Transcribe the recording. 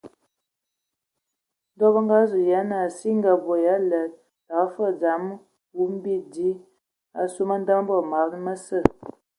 Ndɔ bǝ azu yen naa si e ngaabo ya aled, təgǝ fəg daŋ wum bidi asu mə̀nda mǝ bod maban mǝsə.